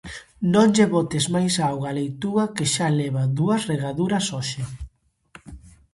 Non lle botes máis auga á leituga que xa leva dúas regaduras hoxe.